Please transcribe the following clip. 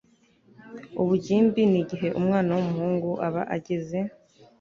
ubugimbi ni igihe umwana w'umuhungu aba ageze